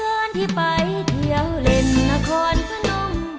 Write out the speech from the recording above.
วันที่ไปเที่ยวเล่นนครพนม